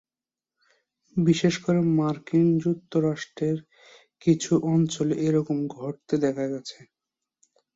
বিশেষ করে মার্কিন যুক্তরাষ্ট্রের কিছু অঞ্চলে এরকম ঘটতে দেখা গেছে।